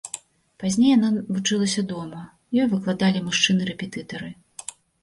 Пазней яна вучылася дома, ёй выкладалі мужчыны-рэпетытары.